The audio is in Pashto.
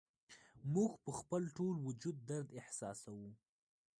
موږ په خپل ټول وجود درد احساسوو